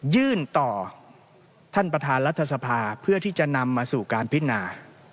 ยื่นต่อท่านประธานรัฐสภาเพื่อที่จะนำมาสู่การพินา